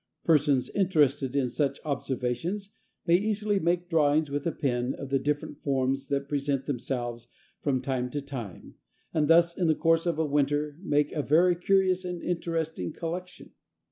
Persons interested in such observations may easily make drawings with a pen of the different forms that present themselves from time to time, and thus in the course of a winter make a very curious and interesting collection.